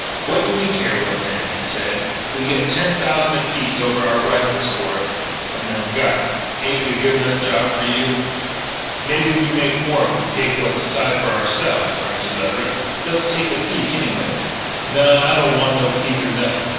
"What do we care what's in it?" he said. "We get ten thousand apiece over our rifles for it from them guys. Ain't it a good enough job for you?" "Maybe we make more if we take what's inside it for ourselves," argued Leverett. "Let's take a peek, anyway." "Naw. I don't want no peek nor nothin'.